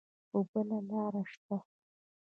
هو، بل لار شته